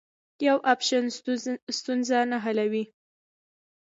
یو اپشن ستونزه نه حلوي.